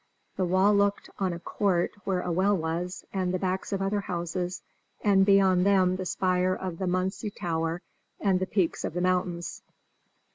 The wall looked on a court where a well was, and the backs of other houses, and beyond them the spire of the Muntze Tower and the peaks of the mountains.